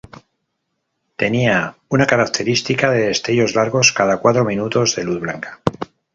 Tenía una característica de destellos largos cada cuatro minutos de luz blanca.